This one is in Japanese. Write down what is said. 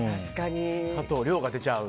加藤諒が出ちゃう。